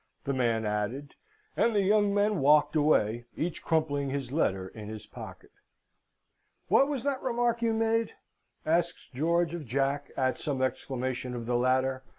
the man added. And the young men walked away, each crumpling his letter in his pocket. "What was that remark you made?" asks George of Jack, at some exclamation of the latter.